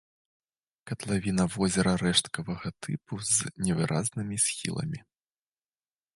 Катлавіна возера рэшткавага тыпу з невыразнымі схіламі.